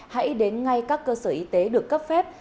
hãy đến ngay các cơ sở y tế được cấp phép